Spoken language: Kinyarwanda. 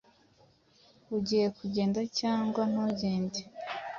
Ugiye kugenda cyangwa ntugende